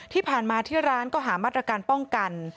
ที่ผ่านมาที่ร้านก็หามาตรการป้องกัน